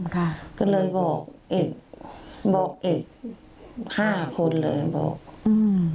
ค่ะก็เลยบอกเอกบอกเอกห้าคนเลยบอกอืม